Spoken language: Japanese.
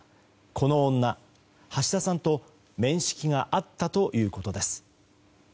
この女、橋田さんと面識があったということです。